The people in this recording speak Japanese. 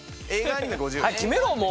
早く決めろもう！